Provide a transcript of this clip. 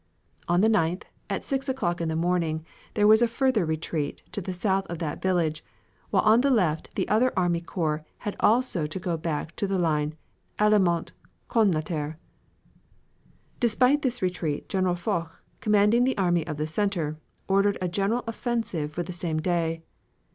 On the 9th, at 6 o'clock in the morning, there was a further retreat to the south of that village, while on the left the other army corps also had to go back to the line Allemant Connantre. Despite this retreat General Foch, commanding the army of the center, ordered a general offensive for the same day.